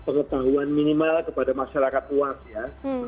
pengetahuan minimal kepada masyarakat luas ya